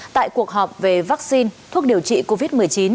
tại cuộc họp về vaccine thuốc điều trị covid một mươi chín